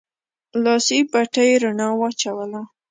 لاسي بتۍ رڼا واچوله.